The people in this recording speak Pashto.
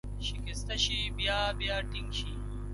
شکسته شي، بیا بیا ټینګ شي.